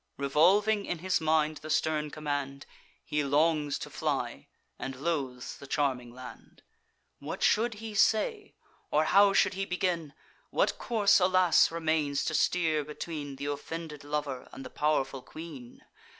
Revolving in his mind the stern command, He longs to fly, and loathes the charming land. What should he say? or how should he begin? What course, alas! remains to steer between Th' offended lover and the pow'rful queen?